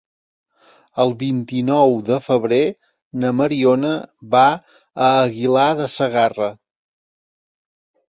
El vint-i-nou de febrer na Mariona va a Aguilar de Segarra.